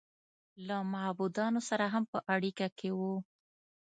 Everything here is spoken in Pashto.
له معبودانو سره هم په اړیکه کې و